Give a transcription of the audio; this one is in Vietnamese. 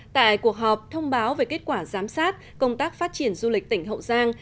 tại cuộc họp thông báo về kết quả giám sát công tác phát triển du lịch tỉnh hậu giang